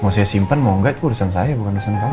mau saya simpan mau enggak itu urusan saya bukan urusan kamu